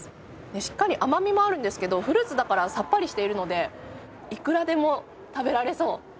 しっかり甘みもあるんですけどフルーツだからさっぱりしているのでいくらでも食べられそう。